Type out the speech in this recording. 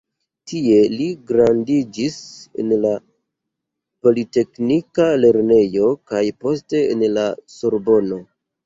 Tie li gradiĝis en la "Politeknika Lernejo" kaj poste en la Sorbono.